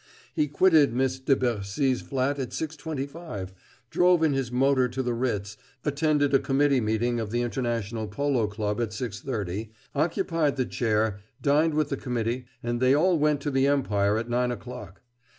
"He quitted Miss de Bercy's flat at 6.25, drove in his motor to the Ritz, attended a committee meeting of the International Polo Club at 6.30, occupied the chair, dined with the committee, and they all went to the Empire at nine o'clock.